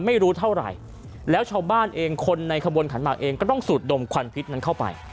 ไม่รู้เท่าไหร่แล้วชาวบ้านเองคนในขบวนขันหมากเองก็ต้องสูดดมควันพิษนั้นเข้าไป